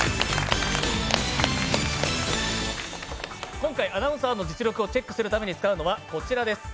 今回アナウンサーの実力をチェックするために使うのはこちらです。